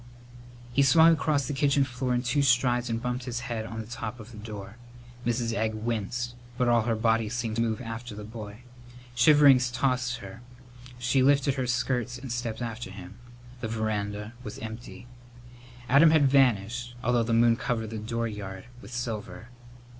He swung across the kitchen floor in two strides and bumped his head on the top of the door. Mrs. Egg winced, but all her body seemed to move after the boy. Shiverings tossed her. She lifted her skirts and stepped after him. The veranda was empty. Adam had vanished, although the moon covered the dooryard with silver.